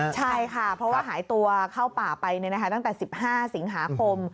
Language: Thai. ใช่ค่ะเพราะว่าหายตัวเข้าป่าไปตั้งแต่๑๕สิงหาคม